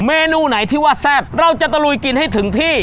เมนูไหนที่ว่าแซ่บเราจะตะลุยกินให้ถึงที่